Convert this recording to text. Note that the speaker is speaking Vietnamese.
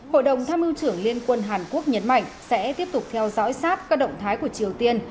hội đồng tham mưu trưởng liên quân hàn quốc nhấn mạnh sẽ tiếp tục theo dõi sát các động thái của triều tiên